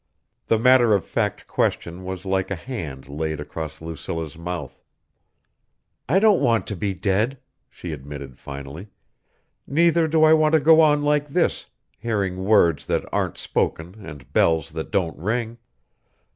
The matter of fact question was like a hand laid across Lucilla's mouth. "I don't want to be dead," she admitted finally. "Neither do I want to go on like this, hearing words that aren't spoken and bells that don't ring.